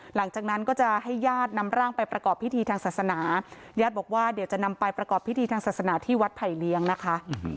หลังจากนั้นก็จะให้ญาตินำร่างไปประกอบพิธีทางศาสนาญาติบอกว่าเดี๋ยวจะนำไปประกอบพิธีทางศาสนาที่วัดไผ่เลี้ยงนะคะ